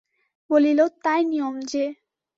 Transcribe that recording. বলিল, তাই নিয়ম যে।